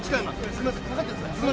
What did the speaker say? すいません下がってください。